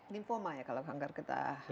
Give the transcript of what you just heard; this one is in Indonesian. limpoma ya kalau kanker getah bening ya